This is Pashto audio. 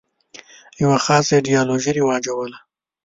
یوه خاصه ایدیالوژي رواجوله.